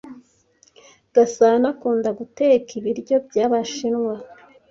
Gasana akunda guteka ibiryo byabashinwa.